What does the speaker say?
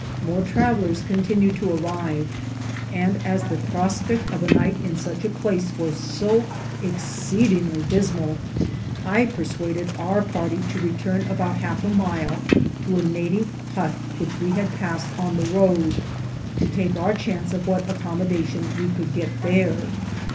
More travelers continued to arrive; and as the prospect of a night in such a place was so exceedingly dismal, I persuaded our party to return about half a mile to a native hut which we had passed on the road, to take our chance of what accommodation we could get there.